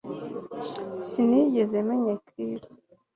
Sinigeze menya Chris